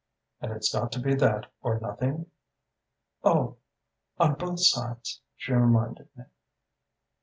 "'And it's got to be that or nothing?' "'Oh, on both sides,' she reminded me.